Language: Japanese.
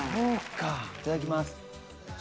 いただきます。